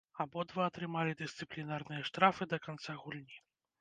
Абодва атрымалі дысцыплінарныя штрафы да канца гульні.